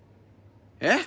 えっ？